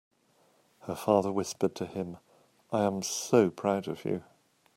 Her father whispered to him, "I am so proud of you!"